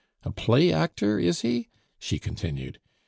"A play actor, is he?" she continued.